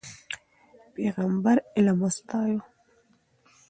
پیغمبر علم وستایه.